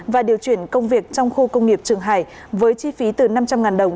và điều chuyển công việc trong khu công nghiệp trường hải với chi phí từ năm trăm linh đồng